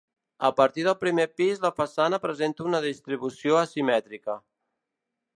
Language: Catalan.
A partir del primer pis la façana presenta una distribució asimètrica.